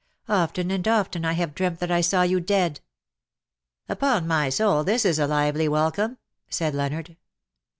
Often and often I have dreamt that I saw you dead." " Upon my soul, this is a lively welcome," said Leonard.